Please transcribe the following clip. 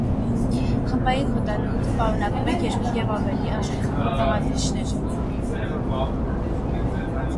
Խմբային խտանյութը պարունակում է երկու և ավելի արժեքավոր բաղադրիչներ։